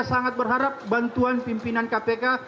sangat berharap bantuan pimpinan kpk